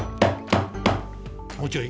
もうちょい？